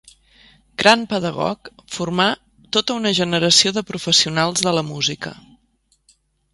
Gran pedagog, formà tota una generació de professionals de la música.